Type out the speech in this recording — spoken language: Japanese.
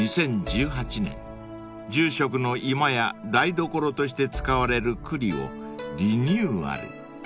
２０１８年住職の居間や台所として使われる庫裏をリニューアル］